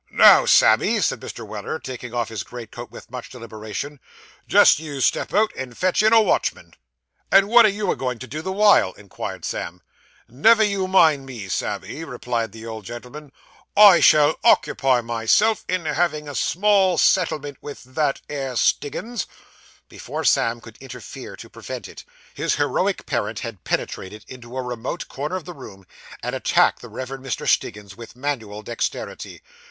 'Now, Sammy,' said Mr. Weller, taking off his greatcoat with much deliberation, 'just you step out, and fetch in a watchman.' 'And wot are you a goin' to do, the while?' inquired Sam. 'Never you mind me, Sammy,' replied the old gentleman; 'I shall ockipy myself in havin' a small settlement with that 'ere Stiggins.' Before Sam could interfere to prevent it, his heroic parent had penetrated into a remote corner of the room, and attacked the Reverend Mr. Stiggins with manual dexterity.